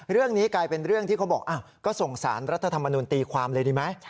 เรื่องนี้กลายเป็นเรื่องที่เขาบอกก็ส่งสารรัฐธรรมนุนตีความเลยดีไหม